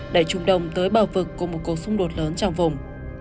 đẩy trung đồng tới bờ vực của một cuộc xung đột lớn trong vùng